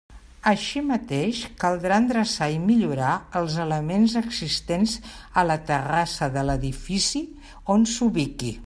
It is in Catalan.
Així mateix caldrà endreçar i millorar els elements existents a la terrassa de l'edifici on s'ubiqui.